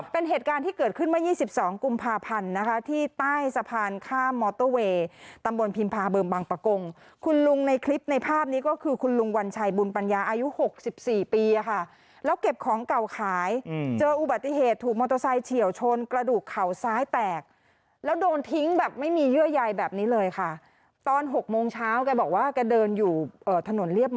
เป็นเหตุการณ์ที่เกิดขึ้นไว้๒๒กุมภาพันธุ์นะคะที่ใต้สะพานข้ามมอเตอร์เวย์ตำบลพิมพาเบิ่มบางประกงคุณลุงในคลิปในภาพนี้ก็คือคุณลุงวัญชัยบุญปัญญาอายุ๖๔ปีอ่ะค่ะแล้วเก็บของเก่าขายเจออุบัติเหตุถูกมอเตอร์ไซด์เฉียวชนกระดูกเข่าซ้ายแตกแล้วโดนทิ้งแบบไม่มีเยื่อย